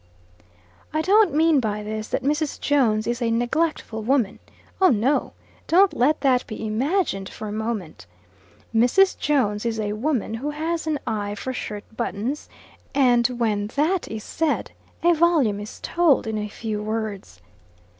I don't mean by this, that Mrs. Jones is a neglectful woman. Oh, no! don't let that be imagined for a moment. Mrs. Jones is a woman who has an eye for shirt buttons, and when that is said, a volume is told in a few words.